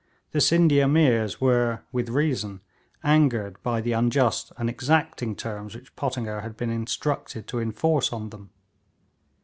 The Scinde Ameers were, with reason, angered by the unjust and exacting terms which Pottinger had been instructed to enforce on them.